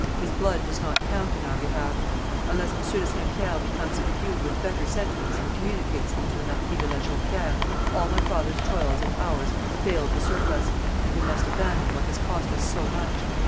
His blood does not count in our behalf. Unless Monsieur de Saint Pierre becomes imbued with better sentiments and communicates them to the Marquis de la Jonquière, all my father's toils and ours fail to serve us, and we must abandon what has cost us so much.